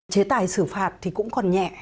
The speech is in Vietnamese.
chế tài xử phạt thì cũng còn nhẹ